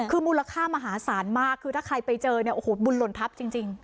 คือมูลค่ามหาศาลมากถ้าใครไปเจอบุญหล่นทับจริง